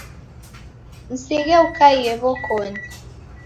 Msighe ukaiye w'okoni.